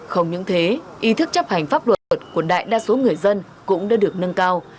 không những thế ý thức chấp hành pháp luật của đại đa số người dân cũng đã được nâng cao